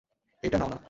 এইটা নাও না?